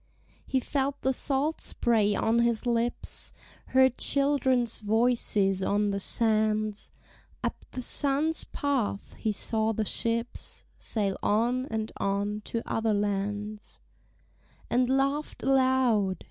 He felt the salt spray on his lips; Heard children's voices on the sands; Up the sun's path he saw the ships Sail on and on to other lands; And laugh'd aloud.